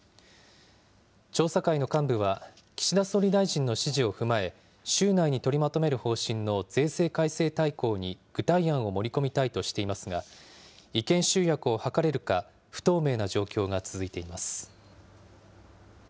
調査会の幹部は、岸田総理大臣の指示を踏まえ、週内に取りまとめる方針の税制改正大綱に具体案を盛り込みたいとしていますが、意見集約を図れるか、不透明な状況が続いています。